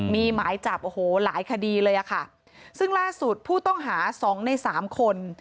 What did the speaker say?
มีหมายจับหลายคดีเลยค่ะซึ่งล่าสุดผู้ต้องหา๒ใน๓คน